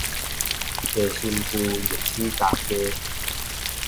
濟新婦逆死大家